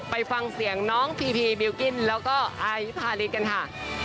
ไปฟังเสียงน้องพีพีบิลกิ้นแล้วก็อายพาริสกันค่ะ